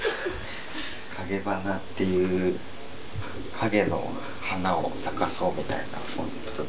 影花っていう影の花を咲かそうみたいなコンセプトで作ろうと思ってます。